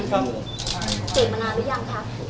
เสร็จมานานหรือยังครับ